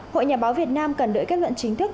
hội nhà báo việt nam cần đợi kết luận chính thức